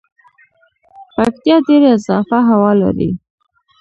پکتيا ډیره صافه هوا لري